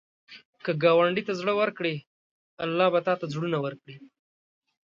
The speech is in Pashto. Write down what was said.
که ګاونډي ته زړه ورکړې، الله به تا ته زړونه ورکړي